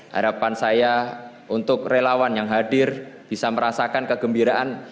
harapan saya untuk relawan yang hadir bisa merasakan kegembiraan